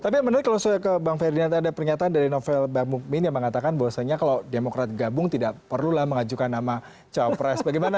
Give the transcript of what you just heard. tapi menurut saya kalau soal ke bang ferdinand ada pernyataan dari novel bang mumin yang mengatakan bahwasanya kalau demokrat gabung tidak perlulah mengajukan nama cowok pres bagaimana